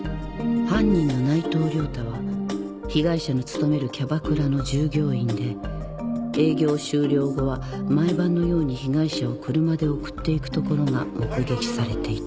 「犯人の内藤良太は被害者の勤めるキャバクラの従業員で営業終了後は毎晩のように被害者を車で送っていくところが目撃されていた」